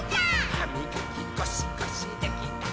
「はみがきゴシゴシできたかな？」